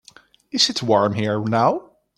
Is it warm here now?